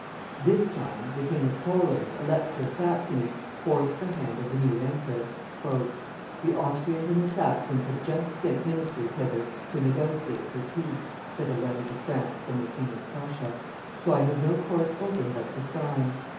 This time, the King of Poland, Elector of Saxony, forced the hand of the new empress: "The Austrians and the Saxons have just sent ministers hither to negotiate for peace," said a letter to France from the King of Prussia; "so I have no course open but to sign.